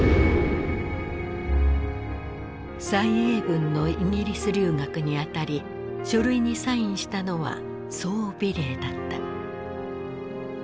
蔡英文のイギリス留学にあたり書類にサインしたのは宋美齢だった。